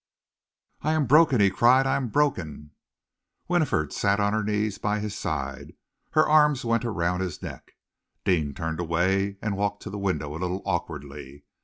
"I am broken!" he cried out. "I am broken!" Winifred sank on her knees by his side, her arms went round his neck. Deane turned away and walked to the window a little awkwardly.